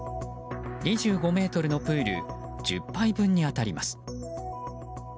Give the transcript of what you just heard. ２５ｍのプール１０杯分に当たります。